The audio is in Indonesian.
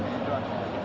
jadi itu harus diperbaiki